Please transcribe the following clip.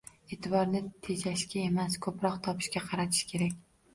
E’tiborni tejashga emas, ko’proq topishga qaratish kerak